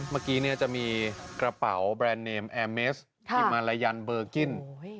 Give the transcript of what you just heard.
เมื่อกี้จะมีกระเป๋าแบรนด์เนมแอร์เมสอิมาลายันเบอร์กิ้น